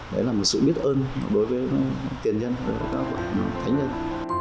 đấy là một sự biết ơn đối với tiền nhân thánh nhân